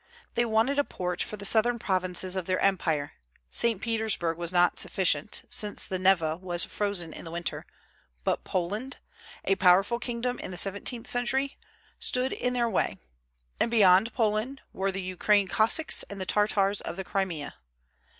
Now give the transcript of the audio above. They wanted a port for the southern provinces of their empire, St. Petersburg was not sufficient, since the Neva was frozen in the winter, but Poland (a powerful kingdom in the seventeenth century) stood in their way; and beyond Poland were the Ukraine Cossacks and the Tartars of the Crimea.